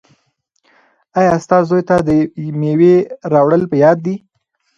ایا ستا زوی ته د مېوې راوړل په یاد دي؟